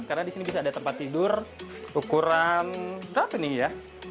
karena di sini bisa ada tempat tidur ukuran berapa nih ya